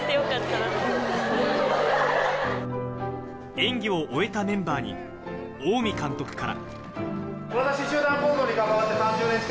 演技を終えたメンバーに大海監督から。